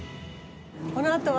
このあとは。